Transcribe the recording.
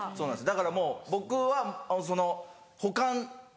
だからもう僕はその保管。